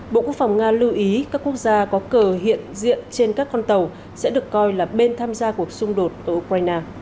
bộ quốc phòng nga lưu ý các quốc gia có cờ hiện diện trên các con tàu sẽ được coi là bên tham gia cuộc xung đột ở ukraine